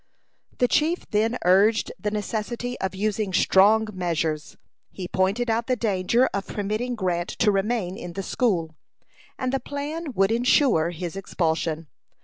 The chief then urged the necessity of using strong measures. He pointed out the danger of permitting Grant to remain in the school; and the plan would insure his expulsion.